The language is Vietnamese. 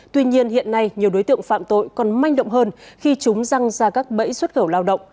tuy nhiên hiện nay nhiều đối tượng phạm tội còn manh động hơn khi chúng răng ra các bẫy xuất khẩu lao động